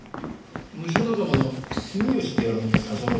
ムショ仲間の住吉って野郎に誘われたようだ。